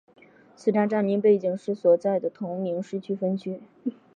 此站站名背景是所在的同名城市分区。